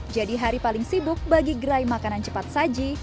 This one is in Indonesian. jadi hari paling sibuk bagi gerai makanan cepat saji